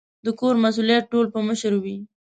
د کور مسؤلیت ټول په مشر وي